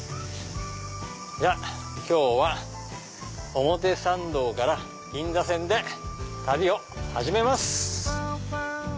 じゃあ今日は表参道から銀座線で旅を始めます！